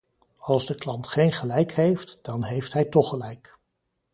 Als de klant geen gelijk heeft, dan heeft hij toch gelijk.